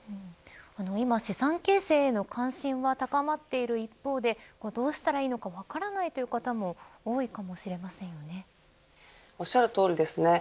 今資産形成の関心は高まっている一方でどうしたらいいのか分からないという方もおっしゃるとおりですね。